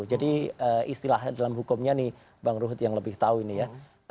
jadi istilahnya dalam hukumnya nih bang ruhod yang lebih tahu ini ya